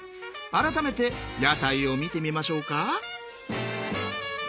改めて屋台を見てみましょうか。